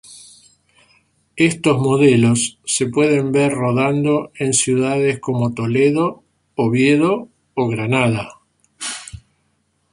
Estos modelos se pueden ver rodando en ciudades como Toledo, Oviedo o Granada.